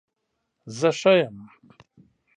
زه ښه یم